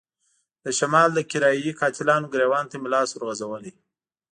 د شمال د کرايه ای قاتلانو ګرېوان ته مې لاس ورغځولی.